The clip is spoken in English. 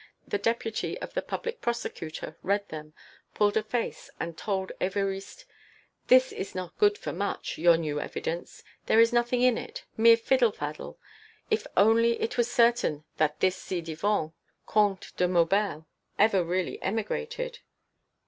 The deputy of the Public Prosecutor read them, pulled a face and told Évariste: "It is not good for much, your new evidence! there is nothing in it! mere fiddle faddle.... If only it was certain that this ci devant Comte de Maubel ever really emigrated...!"